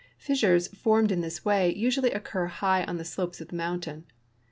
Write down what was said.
Fissures formed in this way usually occur high on the slopes ot the mountain.